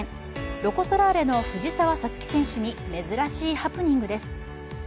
ロコ・ソラーレの藤澤五月選手に珍しいハプニングです。